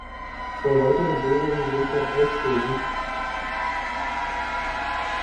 Zwei weitere Bohrungen sind noch ausstehend.